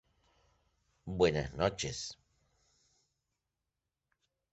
Habita en Arkansas y en Asia.